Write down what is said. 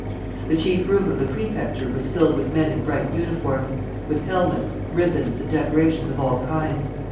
The chief room of the prefecture was filled with men in bright uniforms, with helmets, ribbons, and decorations of all kinds.